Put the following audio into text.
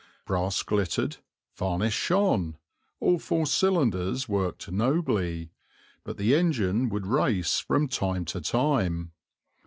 Brass glittered, varnish shone, all four cylinders worked nobly, but the engine would race from time to time.